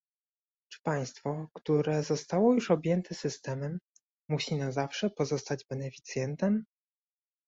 czy państwo, które zostało już objęte systemem, musi na zawsze pozostać beneficjentem?